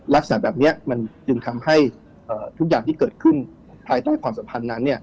ลักษณะแบบนี้มันจึงทำให้ทุกอย่างที่เกิดขึ้นภายใต้ความสัมพันธ์นั้น